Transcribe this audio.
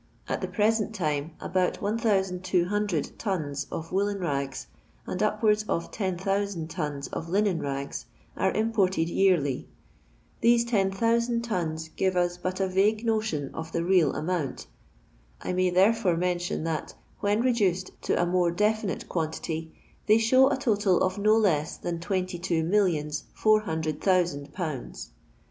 At the present time, abont ISOO tons of woollen rags, and upwards of 10,000 tons of linen rags, are imported yearly. These 10,000 tons give us but a vague notion of the real amount. I may therefore mention that, when reduced to a more definite quantity, they show a totil of no less than twenty two millions four hundred thousand pounds.